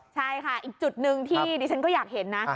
ใช่ค่ะอีกจุดหนึ่งที่ดิฉันก็อยากเห็นนะ